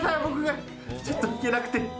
僕がちょっと行けなくて。